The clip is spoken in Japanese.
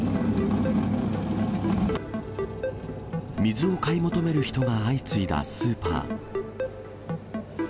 水を買い求める人が相次いだスーパー。